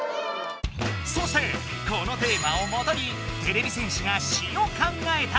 そしてこのテーマをもとにてれび戦士が「詞」を考えた。